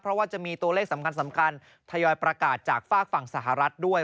เพราะว่าจะมีตัวเลขสำคัญทยอยประกาศจากฝากฝั่งสหรัฐด้วย